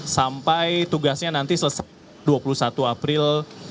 sampai tugasnya nanti selesai dua puluh satu april dua ribu dua puluh